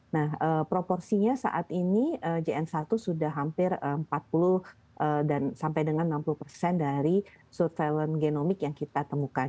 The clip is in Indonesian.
nah proporsinya saat ini jn satu sudah hampir empat puluh dan sampai dengan enam puluh persen dari surveillance genomic yang kita temukan